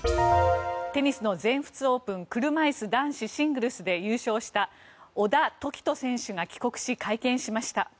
テニスの全仏オープン車いす男子シングルスで優勝した小田凱人選手が帰国し会見しました。